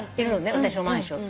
私のマンション。